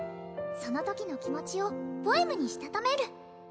「その時の気持ちをポエムにしたためる」